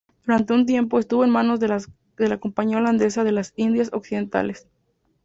Durante un tiempo estuvo en manos de la Compañía Holandesa de las Indias Occidentales.